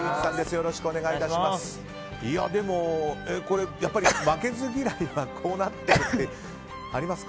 でも、やっぱり負けず嫌いはこうなっていくってありますか？